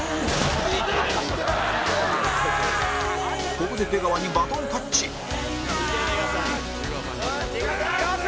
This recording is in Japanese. ここで出川にバトンタッチ山崎：いけ！